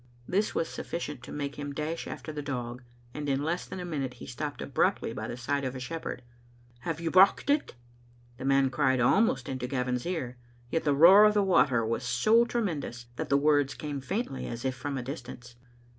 This was sufficient to make him dash after the dog, and in less than a minute he stopped abruptly by the side of a shepherd. "Have you brocht it?" the man cried almost into Gavin's ear; yet the roar of the water was so tremen dous that the words came faintly, as if from a distance.